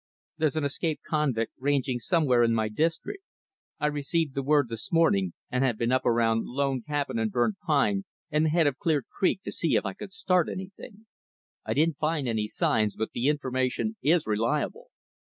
There's an escaped convict ranging somewhere in my district. I received the word this morning, and have been up around Lone Cabin and Burnt Pine and the head of Clear Creek to see if I could start anything. I didn't find any signs, but the information is reliable.